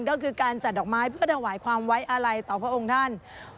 ก็คือการจัดดอกไม้เพื่อถวายความไว้อาลัยต่อพระองค์ท่าน